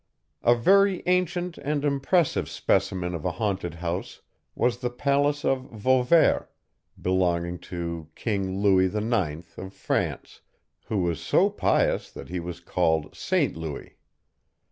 A very ancient and impressive specimen of a haunted house was the palace of Vauvert, belonging to King Louis IX, of France, who was so pious that he was called Saint Louis.